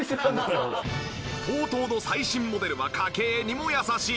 ＴＯＴＯの最新モデルは家計にも優しい。